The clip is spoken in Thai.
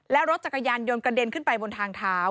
และรถจักรยานยนต์กระเด็นขึ้นไปบนทางเท้า